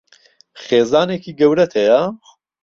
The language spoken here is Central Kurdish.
خێزانێکی گەورەت هەیە؟